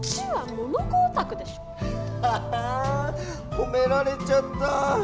ほめられちゃった！